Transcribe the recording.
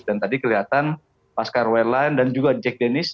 dan tadi kelihatan pascal werland dan juga jack dennis